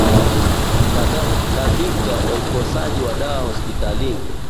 Kadhia ya ukosaji wa dawa hospitalini